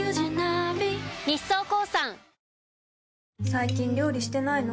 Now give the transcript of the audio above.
最近料理してないの？